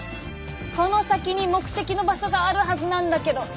この先に目的の場所があるはずなんだけど。